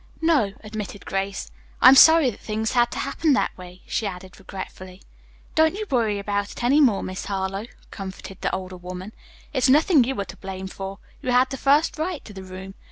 "No," admitted Grace. "I'm sorry that things had to happen that way," she added regretfully. "Don't you worry about it any more, Miss Harlowe," comforted the older woman. "It's nothing you are to blame for. You had the first right to the room.